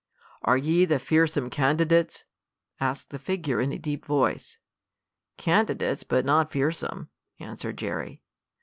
"Are ye the fearsome candidates?" asked the figure, in a deep voice. "Candidates, but not fearsome," answered Jerry.